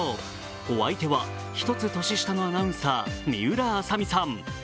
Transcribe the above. お相手は１つ年下のアナウンサー水卜麻美さん。